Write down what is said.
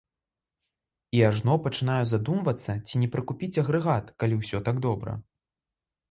І ажно пачынаю задумвацца, ці не прыкупіць агрэгат, калі ўсё так добра.